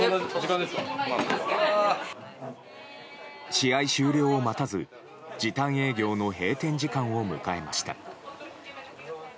試合終了を待たず時短営業の閉店時間を迎えました。